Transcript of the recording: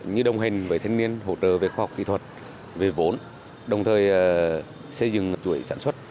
như đồng hành với thanh niên hỗ trợ về khoa học kỹ thuật về vốn đồng thời xây dựng chuỗi sản xuất